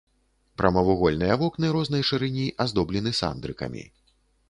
Прамавугольныя вокны рознай шырыні аздоблены сандрыкамі.